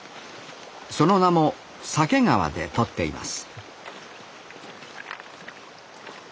その名も鮭川で取っています